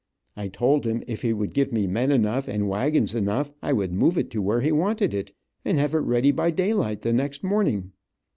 I told him if he would give me men enough and wagons enough, I would move it to where he wanted it, and have it ready by daylight the next morning.